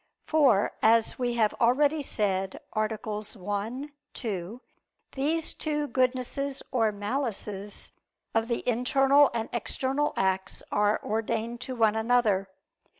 For as we have already said (AA. 1, 2), these two goodnesses or malices, of the internal and external acts, are ordained to one another.